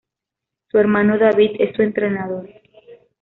Su hermano David es su entrenador.